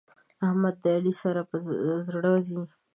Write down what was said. احمد د علي سره پر زړه ځي.